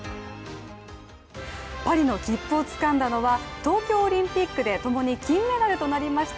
パリの切符をつかんだのは東京オリンピックでともに金メダルとなりました